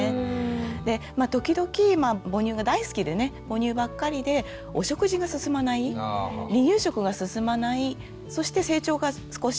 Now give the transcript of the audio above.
時々母乳が大好きでね母乳ばっかりでお食事が進まない離乳食が進まないそして成長が少しこうね